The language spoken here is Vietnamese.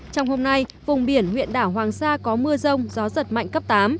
trong hôm nay vùng biển huyện đảo hoàng sa có mưa rông gió giật mạnh cấp tám